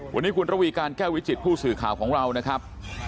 วันนี้คุณระวีการแก้ววิจิตผู้สื่อข่าวของเรานะครับ